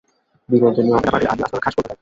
Binodini opera পার্টির আদি আস্তানা খাস কলিকাতায়।